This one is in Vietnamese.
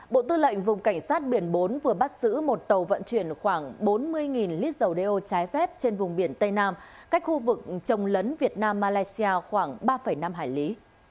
bộ tư lệnh vùng cảnh sát biển bốn vừa bắt giữ một tàu vận chuyển khoảng bốn mươi lít dầu đeo trái phép trên vùng biển tây nam cách khu vực trồng lấn việt nam malaysia khoảng ba năm hải lý